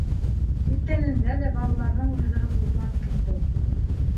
Киткәнендә лә балаларының ризығын урлап киткән!